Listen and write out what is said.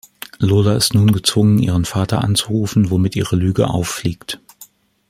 Lola ist nun gezwungen, ihren Vater anzurufen, womit ihre Lüge auffliegt.